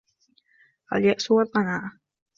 الْيَأْسُ وَالْقَنَاعَةُ